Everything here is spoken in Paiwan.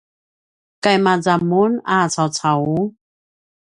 kaimazan mun a caucau?